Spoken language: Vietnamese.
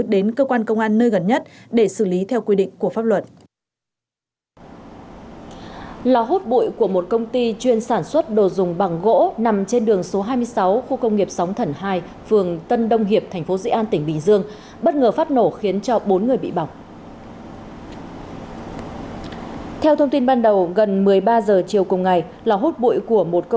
đến cơ quan công an nơi gần nhất để xử lý theo quy định của pháp luật